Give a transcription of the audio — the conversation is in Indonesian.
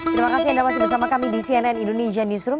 terima kasih anda masih bersama kami di cnn indonesia newsroom